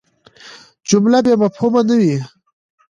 جمله بېمفهومه نه يي.